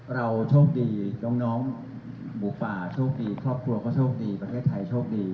เราโชคดีน้องหมูป่าโชคดีครอบครัวก็โชคดีประเทศไทยโชคดี